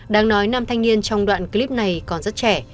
đáng nói năm thanh niên trong đoạn clip này còn rất trẻ